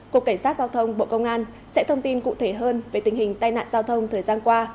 cục cảnh sát giao thông bộ công an sẽ thông tin cụ thể hơn về tình hình tai nạn giao thông thời gian qua